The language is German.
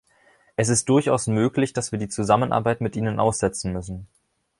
Es ist durchaus möglich, dass wir die Zusammenarbeit mit ihnen aussetzen müssen.